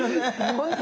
本当。